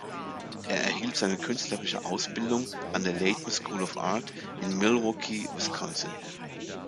Er erhielt seine künstlerische Ausbildung an der "Layton School of Art" in Milwaukee, Wisconsin.